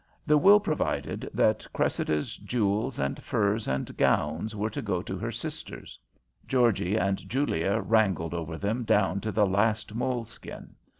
The will provided that Cressida's jewels and furs and gowns were to go to her sisters. Georgie and Julia wrangled over them down to the last moleskin.